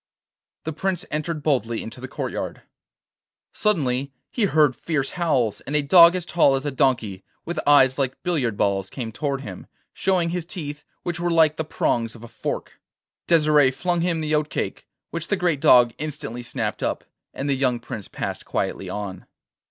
The Prince entered boldly into the courtyard. Suddenly he heard fierce howls, and a dog as tall as a donkey, with eyes like billiard balls, came towards him, showing his teeth, which were like the prongs of a fork. Desire flung him the oat cake, which the great dog instantly snapped up, and the young Prince passed quietly on.